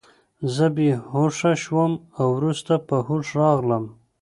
زه بې هوښه شوم او وروسته په هوښ راغلم